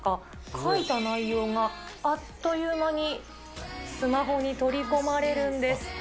書いた内容があっという間にスマホに取り込まれるんです。